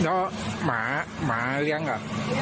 แล้วหมาหมาเลี้ยงอ่ะ